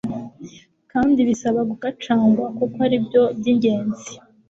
kandi bisaba gukacangwa, kuko ari byo by’ingenzi.